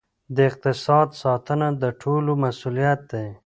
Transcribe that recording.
د اقتصاد ساتنه د ټولو مسؤلیت دی.